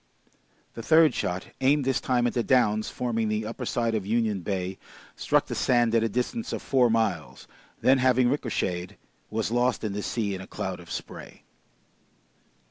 The third shot, aimed this time at the downs forming the upper side of Union Bay, struck the sand at a distance of four miles, then having ricocheted: was lost in the sea in a cloud of spray.